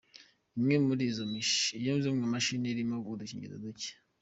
Imwe muri izo mashini irimo udukingirizo duke.